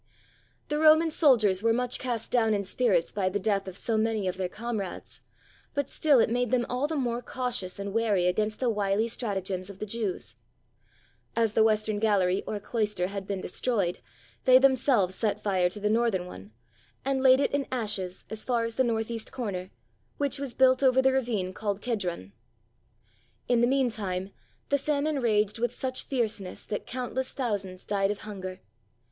The Roman soldiers were much cast down in spirits by the death of so many of their comrades, but still it made them all the more cautious and wary against the wily stratagems of the Jews. As the western gallery or clois ter had been destroyed, they themselves set fire to the 597 PALESTINE northern one, and laid it in ashes as far as the northeast comer, which was built over the ravine called Cedron. In the mean time the famine raged with such fierce ness that countless thousands died of hunger.